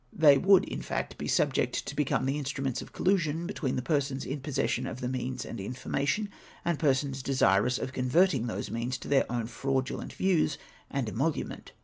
They would, in fact, he subject to become the instruments of collusion between the persons in possession of the means and information, and persons desirous of con verting those means to their own fraudulent views and emolu ment.